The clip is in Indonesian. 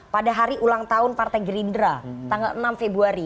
pada hari ulang tahun partai gerindra tanggal enam februari